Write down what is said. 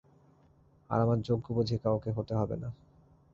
আর, আমার যোগ্য বুঝি কাউকে হতে হবে না!